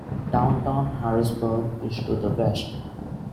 Downtown Harrisburg is to the west.